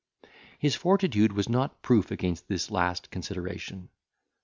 His fortitude was not proof against this last consideration.